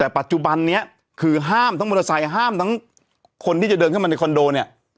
แต่ปัจจุบันนี้คือห้ามทั้งมอเตอร์ไซค์ห้ามทั้งคนที่จะเดินเข้ามาในคอนโดเนี่ย